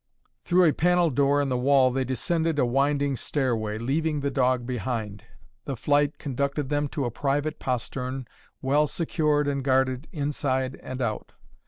Through a panel door in the wall they descended a winding stairway, leaving the dog behind. The flight conducted them to a private postern, well secured and guarded inside and out.